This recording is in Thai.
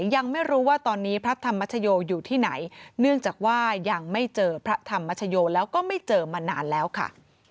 ยังไม่รู้ว่าตอนนี้พระธรรมชโยอยู่ที่ไหนเนื่องจากว่ายังไม่เจอพระธรรมชโยแล้วก็ไม่เจอมานานแล้วค่ะ